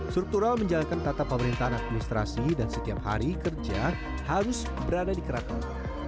struktural menjalankan tata pemerintahan administrasi dan setiap hari kerja harus berada di keraton